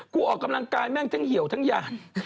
ออกกำลังกายแม่งทั้งเหี่ยวทั้งยาน